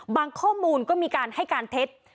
ข้อมูลก็มีการให้การเท็จ